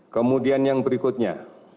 kemudian yang berikutnya